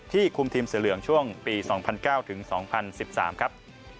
ที่คุมทีมสีเหลืองช่วงปี๒๐๐๙๒๐๑๓ครับ